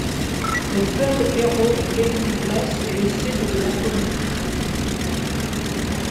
Le fleuve Hérault délimite l'est et le sud de la commune.